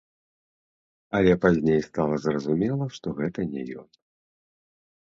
Але пазней стала зразумела, што гэта не ён.